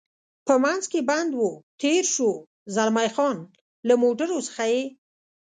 په منځ کې بند و، تېر شو، زلمی خان: له موټرو څخه یې.